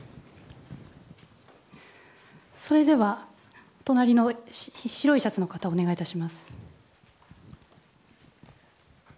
それでは隣の白いシャツの方お願いいたします。